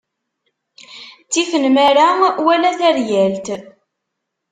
Ttif nnmara wala taryalt.